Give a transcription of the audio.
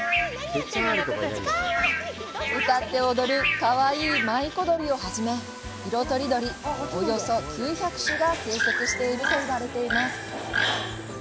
歌って踊るかわいいマイコドリをはじめ色とりどり、およそ９００種が生息していると言われています。